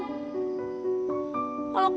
kamu belain dia mati matian